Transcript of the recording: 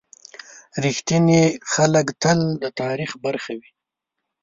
• رښتیني خلک تل د تاریخ برخه وي.